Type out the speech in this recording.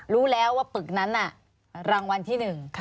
รู้แล้วว่าปึกนั้นน่ะรางวัลที่หนึ่ง